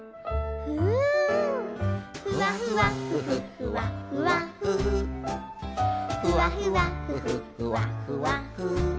「ふわふわふふふわふわふふわふわふふふわふわふ」